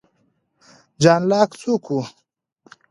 جان لاک څوک و؟